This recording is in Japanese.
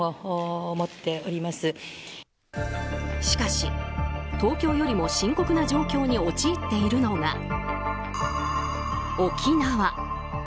しかし東京よりも深刻な状況に陥っているのが、沖縄。